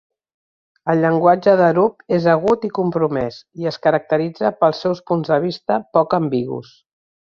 El llenguatge d'Arup és agut i compromès, i es caracteritza pels seus punts de vista poc ambigus.